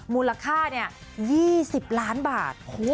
มูลค่า๒๐ล้านบาท